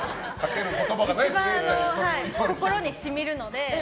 一番、心に染みるので。